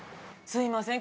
すいません